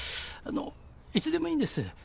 あのいつでもいいんです。